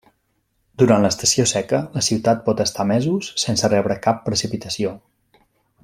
Durant l'estació seca, la ciutat pot estar mesos sense rebre cap precipitació.